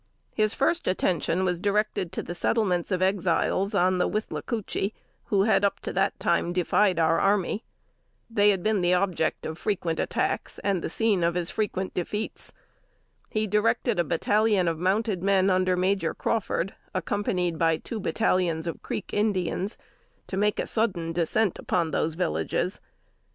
His first attention was directed to the settlements of Exiles on the Withlacoochee who had up to that time defied our army. They had been the object of frequent attacks, and the scene of as frequent defeats. He directed a battalion of mounted men under Major Crawford, accompanied by two battalions of Creek Indians, to make a sudden descent upon those villages.